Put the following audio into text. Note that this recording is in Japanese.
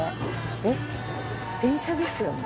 えっ電車ですよね？